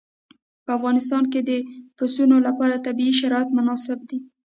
په افغانستان کې د پسونو لپاره طبیعي شرایط مناسب دي.